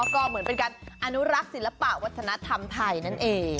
ก็เหมือนเป็นการอนุรักษ์ศิลปะวัฒนธรรมไทยนั่นเอง